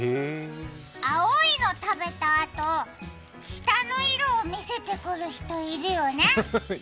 青いの食べたあと、舌の色を見せてくる人、いるよね。